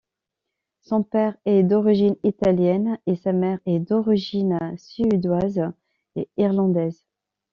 Son père est d'origine italienne et sa mère est d'origine suédoise et irlandaise.